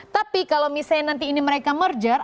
tapi kalau misalnya nanti ini mereka merger